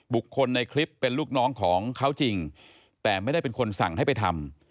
คนในคลิปเป็นลูกน้องของเขาจริงแต่ไม่ได้เป็นคนสั่งให้ไปทำ